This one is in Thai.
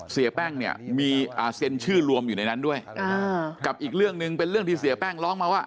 เสียแป้งเนี่ยมีเซ็นชื่อรวมอยู่ในนั้นด้วยกับอีกเรื่องหนึ่งเป็นเรื่องที่เสียแป้งร้องมาว่า